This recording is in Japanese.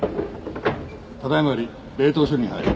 ただ今より冷凍処理に入る。